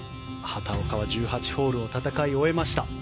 畑岡は１８ホールを戦い終えました。